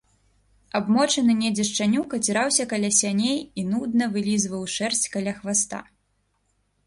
Абмочаны недзе шчанюк аціраўся каля сяней і нудна вылізваў шэрсць каля хваста.